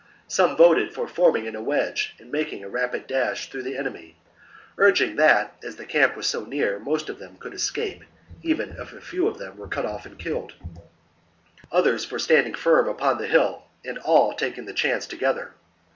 Some voted for forming in a wedge and making a rapid dash through the enemy, urging that, as the camp was so near, most of them could escape i VI ILL OMENED ADUATUCA 201 even if a few were cut off and killed ; others 53 b.c. for standing firm upon the hill and all taking their chance together.